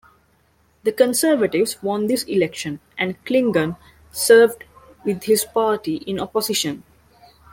The Conservatives won this election, and Clingan served with his party in opposition.